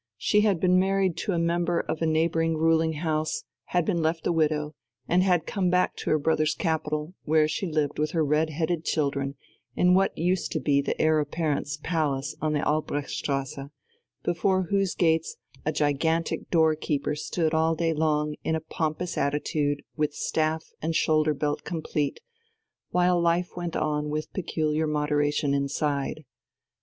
She had been married to a member of a neighbouring ruling House, had been left a widow, and had come back to her brother's capital, where she lived with her red headed children in what used to be the Heir Apparent's palace on the Albrechtstrasse, before whose gates a gigantic doorkeeper stood all day long in a pompous attitude with staff and shoulder belt complete, while life went on with peculiar moderation inside.